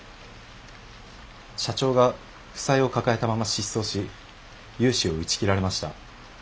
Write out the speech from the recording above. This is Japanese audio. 社長が負債を抱えたまま失踪し融資を打ち切られました。